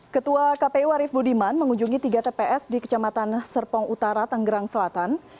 ketua kpu arief budiman mengunjungi tiga tps di kecamatan serpong utara tanggerang selatan